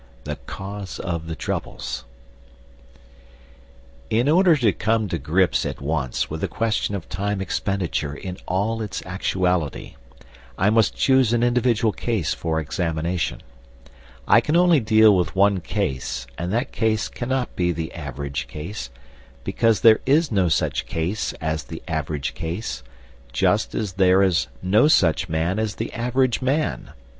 IV THE CAUSE OF THE TROUBLES In order to come to grips at once with the question of time expenditure in all its actuality, I must choose an individual case for examination. I can only deal with one case, and that case cannot be the average case, because there is no such case as the average case, just as there is no such man as the average man.